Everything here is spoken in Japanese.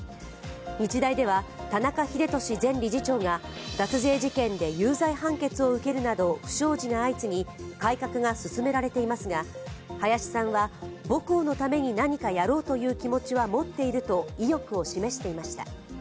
日大では、田中英寿前理事長が脱税事件で有罪判決を受けるなど不祥事が相次ぎ、改革が進められていますが林さんは、母校のために何かやろうという気持ちは持っていると意欲を示していました。